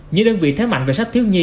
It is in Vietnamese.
những đơn vị thái mạnh về sách thiếu nhi